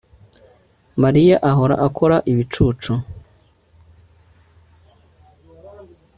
Mariya ahora akora ibicucu